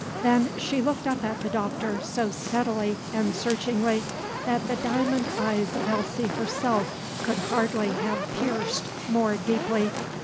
Then she looked up at the Doctor so steadily and searchingly that the diamond eyes of Elsie herself could hardly have pierced more deeply.